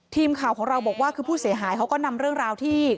ทีมข่าวของเราบอกว่าคือผู้เสียหายเขาก็นำเรื่องราวที่